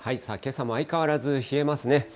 さあ、けさも相変わらず冷えますね。